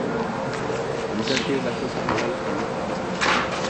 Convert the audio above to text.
El mensaje de la jueza federal generó protestas.